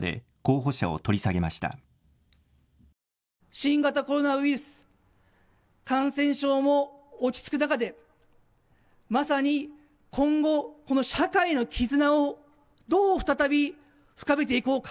新型コロナウイルス感染症も落ち着く中で、まさに今後この社会の絆をどう再び深めていこうか。